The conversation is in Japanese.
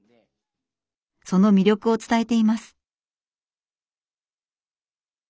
その魅力を伝えています。